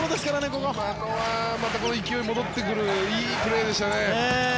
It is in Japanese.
今のはまた勢いが戻ってくるいいプレーでしたね。